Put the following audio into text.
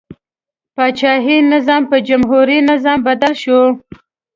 پاچاهي نظام په جمهوري نظام بدل شو.